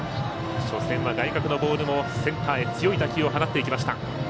初戦は外角のボールもセンターへ強い打球を放っていきました。